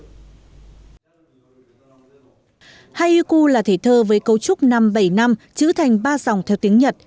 haiku là thể thơ với cấu trúc năm bảy năm chữ thành ba dòng theo tiếng nhật